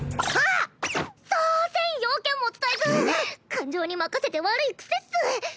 感情に任せて悪い癖っス。